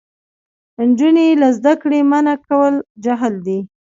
نجونې له زده کړې منع کول جهل دی.